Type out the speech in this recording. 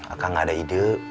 aku nggak ada ide